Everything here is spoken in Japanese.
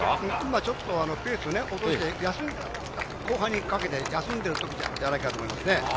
ちょっとペースを落として、後半にかけて休んでいるんじゃないかと思います。